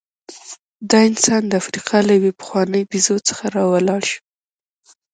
دا انسان د افریقا له یوې پخوانۍ بیزو څخه راولاړ شو.